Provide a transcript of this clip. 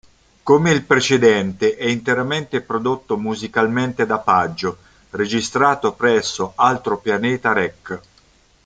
Come il precedente è interamente prodotto musicalmente da Paggio, registrato presso Altro Pianeta Rec.